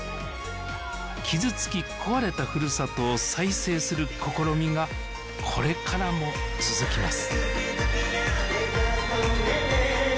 傷つき壊れたふるさとを再生する試みがこれからも続きます